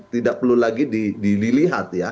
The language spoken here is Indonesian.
tidak perlu lagi dilihat